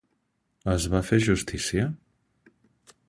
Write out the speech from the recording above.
Es va fer justícia?